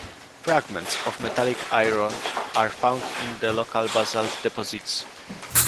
Fragments of metallic iron are found in the local basalt deposits.